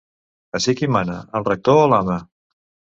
Ací qui mana, el rector o l'ama?